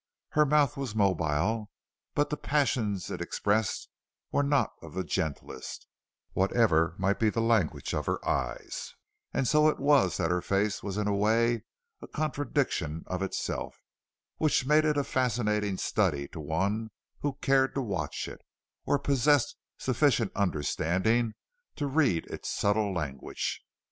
Her mouth was mobile, but the passions it expressed were not of the gentlest, whatever might be the language of her eyes, and so it was that her face was in a way a contradiction of itself, which made it a fascinating study to one who cared to watch it, or possessed sufficient understanding to read its subtle language.